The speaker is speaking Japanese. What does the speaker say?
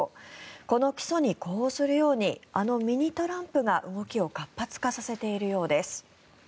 この起訴に呼応するようにあのミニ・トランプが、動きを活発化させているようです。